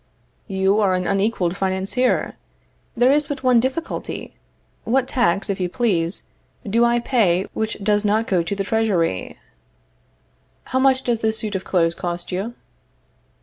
You are an unequaled financier. There is but one difficulty. What tax, if you please, do I pay, which does not go to the Treasury? How much does this suit of clothes cost you?